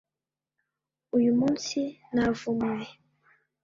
uyu munsi navumwe